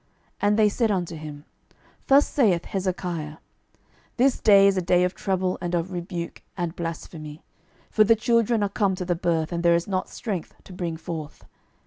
12:019:003 And they said unto him, Thus saith Hezekiah, This day is a day of trouble, and of rebuke, and blasphemy; for the children are come to the birth, and there is not strength to bring forth.